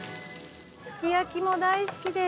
すき焼きも大好きです。